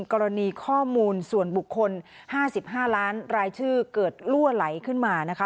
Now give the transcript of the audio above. กรณีข้อมูลส่วนบุคคล๕๕ล้านรายชื่อเกิดลั่วไหลขึ้นมานะคะ